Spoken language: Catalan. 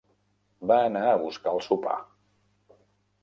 Va anar a buscar el sopar.